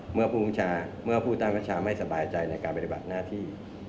เมื่อผู้คุณชาเมื่อผู้ตำรวจชาไม่สบายใจในการปฏิบัติหน้าที่